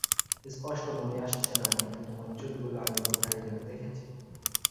স্পষ্ট মনে আসছে না, কিন্তু তোমার চুলগুলো আগে কোথায় যেন দেখেছি।